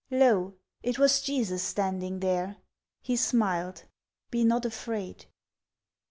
Lo! it was Jesus standing there. He smiled: "Be not afraid!"